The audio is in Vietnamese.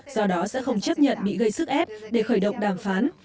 do đó sẽ không chấp nhận bị gây sức ép để khởi động đàm phán